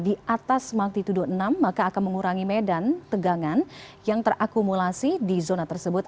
di atas magnitudo enam maka akan mengurangi medan tegangan yang terakumulasi di zona tersebut